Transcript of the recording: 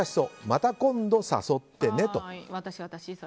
また今度誘ってねと。